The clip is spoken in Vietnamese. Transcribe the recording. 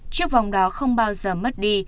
chiếc vòng đó không bao giờ mất đi